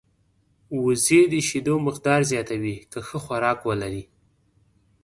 وزې د شیدو مقدار زیاتوي که ښه خوراک ولري